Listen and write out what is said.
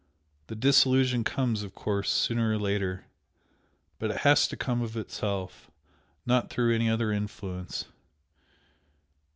The disillusion comes, of course, sooner or later, but it has to come of itself not through any other influence.